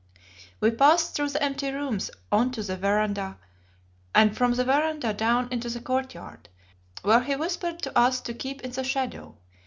We passed through the empty rooms on to the verandah, and from the verandah down into the courtyard, where he whispered to us to keep in the shadow.